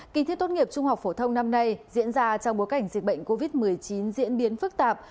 kỳ thi tốt nghiệp trung học phổ thông năm nay diễn ra trong bối cảnh dịch bệnh covid một mươi chín diễn biến phức tạp